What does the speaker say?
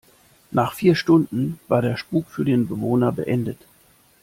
Nach vier Stunden war der Spuck für den Bewohner beendet.